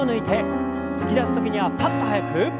突き出す時にはパッと早く。